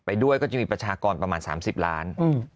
ด้วยก็จะมีประชากรประมาณ๓๐ล้าน